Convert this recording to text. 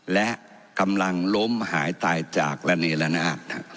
และกำลังล้มหายตายจากระเนละนาด